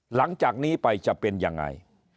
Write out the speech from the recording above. หลังจากนี้ไปจะเป็นยังไง